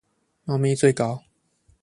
貓咪最高